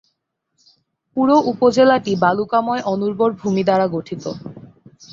পুরো উপজেলাটি বালুকাময় অনুর্বর ভূমি দ্বারা গঠিত।